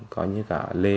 gọi như cả lê